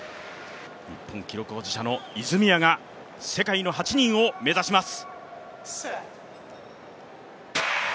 日本記録保持者の和泉が世界の８人を目指します。